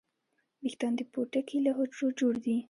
ویښتان د پوټکي له حجرو جوړ دي